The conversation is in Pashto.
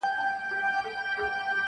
پیدا کړی چي خدای تاج او سلطنت دی-